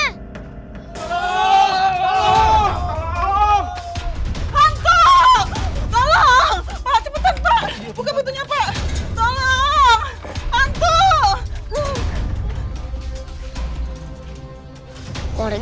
tolong cepetan buka bentuknya pak tolong